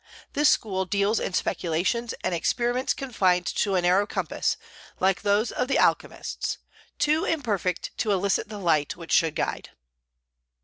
This school deals in speculations and experiments confined to a narrow compass, like those of the alchemists, too imperfect to elicit the light which should guide.